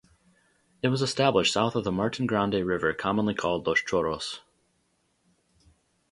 It was established south of the Martin Grande river commonly called Los Chorros.